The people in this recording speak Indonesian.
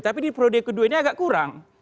tapi di periode kedua ini agak kurang